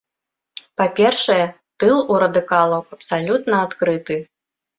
Па-першае, тыл у радыкалаў абсалютна адкрыты.